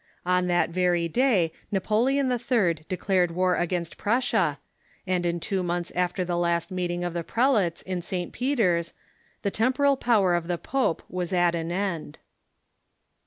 On that very day Napoleon III. declared war against Prussia, and in two months after the last meeting of the prelates in St. Pe ter's the temporal power of the pope was at an end.